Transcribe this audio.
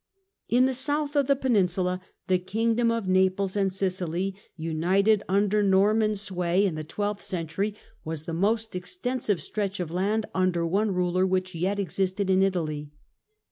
Kingdom jn the south of the Peninsula the Kingdom of Naples and sJcUy and Sicily, united under Norman sway in the twelfth century, was the most extensive stretch of land under one ruler which yet existed in Italy.